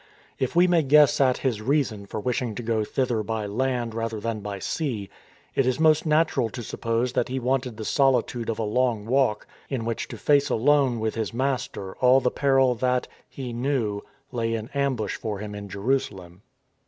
^ If we may guess at his reason for wishing to go thither by land rather than by sea, it is most natural to suppose that he wanted the solitude of a long walk in which to face alone with his Master all the peril that, he knew, lay in ambush for him in Jerusalem.